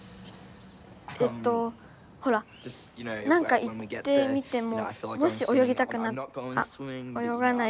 えっとほらなんか行ってみてももしおよぎたくなっあおよがない。